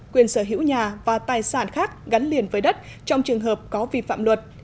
quyền sở hữu nhà và tài sản khác gắn liền với đất trong trường hợp có vi phạm luật